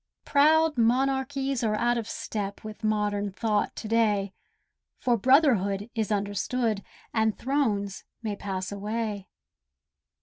Proud monarchies are out of step With modern thought to day, For Brotherhood is understood, And thrones may pass away.